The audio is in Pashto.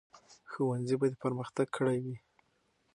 ښوونځي به پرمختګ کړی وي.